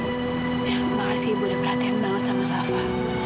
ya makasih ibu udah perhatian banget sama safa